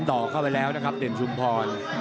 ต่อเข้าไปแล้วนะครับเด่นชุมพร